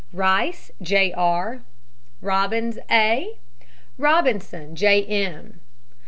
RICE, J. R. ROBINS, A. ROBINSON, J. M.